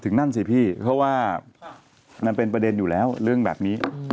นั่นสิพี่เพราะว่ามันเป็นประเด็นอยู่แล้วเรื่องแบบนี้